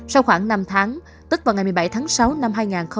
sau khoảng năm tháng tức vào ngày một mươi bảy tháng sáu năm hai nghìn hai mươi